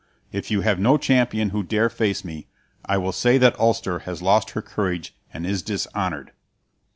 If you have no champion who dare face me, I will say that Ulster has lost her courage and is dishonored."